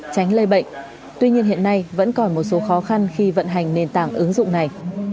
tránh lây bệnh tuy nhiên hiện nay vẫn còn một số khó khăn khi vận hành nền tảng ứng dụng này